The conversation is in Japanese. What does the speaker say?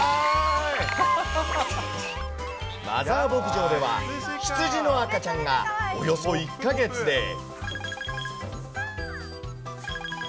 マザー牧場では、羊の赤ちゃんがおよそ１か月で。